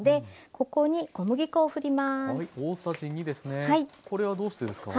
これはどうしてですか？